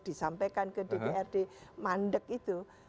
disampaikan ke dprd mandek itu